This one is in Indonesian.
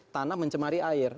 tanah mencemari air